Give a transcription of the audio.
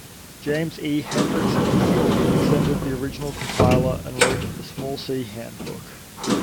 James E. Hendrix improved and extended the original compiler, and wrote "The Small-C Handbook".